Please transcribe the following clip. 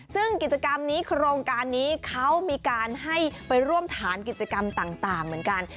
ซึ่งกิจกรรมนี้โครงการนี้เขามีการให้ไปร่วมฐานกิจกรรมต่างเหมือนกัน